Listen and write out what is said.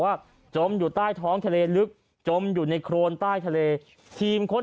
จมอยู่ใต้ท้องทะเลลึกจมอยู่ในโครนใต้ทะเลทีมค้น